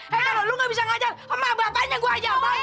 kalau lu gak bisa ngajar emang berapa banyak gue ajar